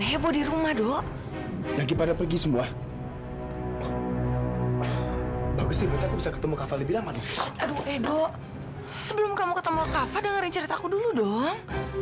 sebelum kamu ketemu kava dengerin cerita aku dulu dong